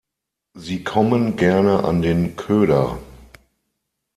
Sie kommen gerne an den Köder.